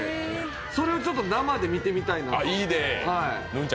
それを生で見てみたいなと。